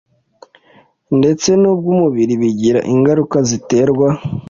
ndetse nubwumubiri bigira ingaruka ziterwa